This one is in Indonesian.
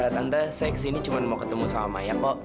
tante saya kesini cuma mau ketemu sama maya kok